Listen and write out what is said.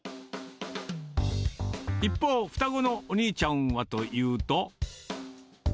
一方、双子のお兄ちゃんはというと。